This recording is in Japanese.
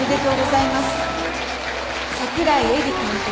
櫻井絵里監督